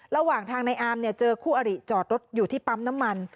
ระหว่างทางในอาร์มเจอคู่อริจอดรถอยู่ที่ปั๊มน้ำมัน